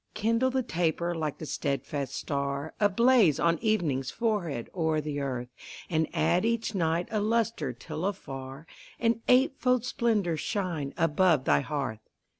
Kindle the taper like the steadfast star Ablaze on evening's forehead o'er the earth, And add each night a lustre till afar An eightfold splendor shine above thy hearth.